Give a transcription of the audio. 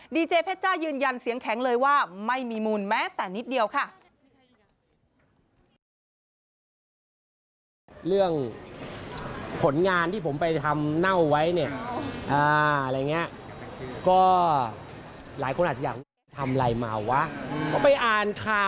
ดีเจเพชจ้ายืนยันเสียงแข็งเลยว่าไม่มีมูลแม้แต่นิดเดียวค่ะ